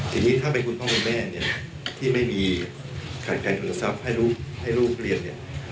ทีนี้ถ้าเป็นคุณพ่อคุณแม่ที่ไม่มีขาดแค่โทรศัพท์ให้ลูกเรียน